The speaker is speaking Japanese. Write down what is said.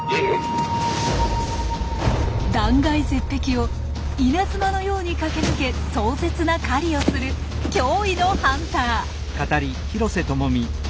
断崖絶壁を稲妻のように駆け抜け壮絶な狩りをする驚異のハンター。